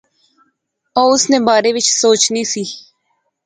او اس نے بارے وچ سوچنی سی